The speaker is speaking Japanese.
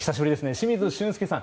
清水俊輔さん。